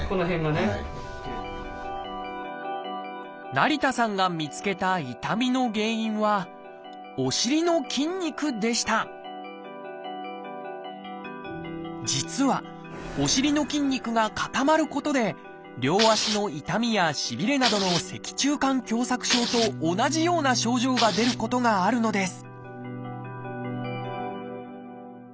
成田さんが見つけた痛みの原因はお尻の筋肉でした実はお尻の筋肉が固まることで両足の痛みやしびれなどの脊柱管狭窄症と同じような症状が出ることがあるのです